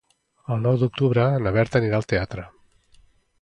El nou d'octubre na Berta anirà al teatre.